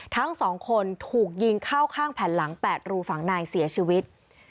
ทั้ง๒คนถูกยิงเข้าข้างแผ่นหลัง๘รูฝั่งนายเสียชีวิต